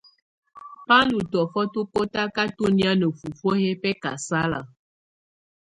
Bá ndù tɔ̀ofɔ tù kɔtakatɔ nɛ̀á ná fufuǝ́ yɛ bɛkasala.